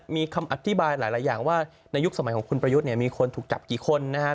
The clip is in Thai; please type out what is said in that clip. มีคำอธิบายหลายอย่างว่าในยุคสมัยของคุณประยุทธ์เนี่ยมีคนถูกจับกี่คนนะฮะ